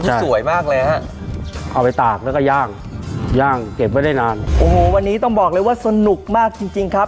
สวยมากเลยฮะเอาไปตากแล้วก็ย่างย่างเก็บไว้ได้นานโอ้โหวันนี้ต้องบอกเลยว่าสนุกมากจริงจริงครับ